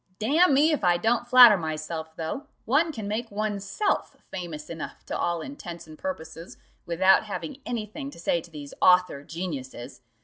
"Damn me, if I don't flatter myself, though, one can make oneself famous enough to all intents and purposes without having any thing to say to these author geniuses.